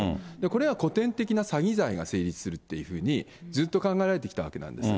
これは古典的な詐欺罪が成立するっていうふうに、ずっと考えられてきたわけなんです。